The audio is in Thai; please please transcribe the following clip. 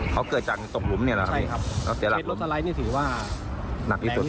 เขาเกิดจากตรงหลุมเนี่ยเหรอ